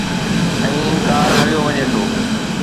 ۽ انڪار هليو وڃي ٿو